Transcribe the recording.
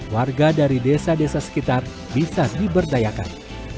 warga dari desa desa sekitar bisa diberdayakan